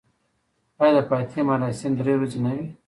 آیا د فاتحې مراسم درې ورځې نه وي؟